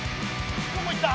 どこ行った？